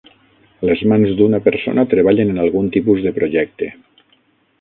Les mans d'una persona treballen en algun tipus de projecte.